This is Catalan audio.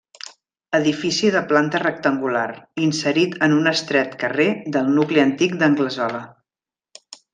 Edifici de planta rectangular, inserit en un estret carrer del nucli antic d'Anglesola.